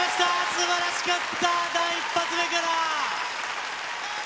すばらしかった、第一発目から。